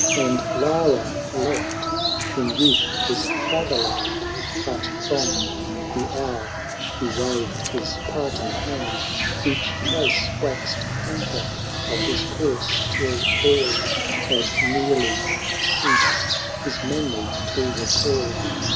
And Lara left in youth his father land; But from the hour he waved his parting hand Each trace waxed fainter of his course, till all Had nearly ceased his memory to recall.